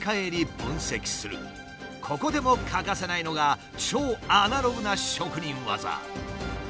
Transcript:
ここでも欠かせないのが超アナログな職人技。